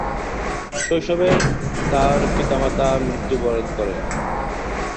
শৈশবের তার পিতামাতা মৃত্যুবরণ করেন।